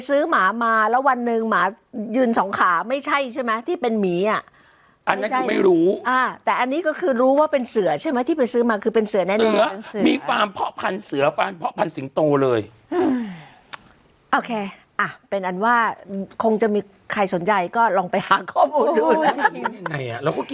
เขายังไงเขาก็ยังเป็นเสือก็ไม่ใช่แมว